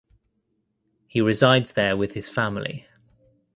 He resides there with his family.